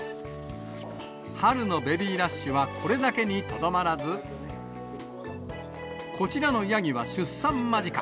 春のベビーラッシュは、これだけにとどまらず、こちらのヤギは出産間近。